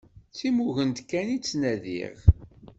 D timugent kan i ttnadiɣ.